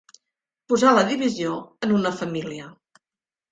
Posar la divisió en una família.